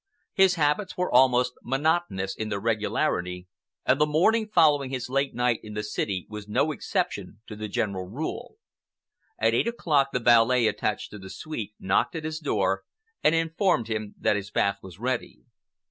His habits were almost monotonous in their regularity, and the morning following his late night in the city was no exception to the general rule. At eight o'clock, the valet attached to the suite knocked at his door and informed him that his bath was ready.